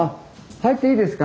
入っていいですか？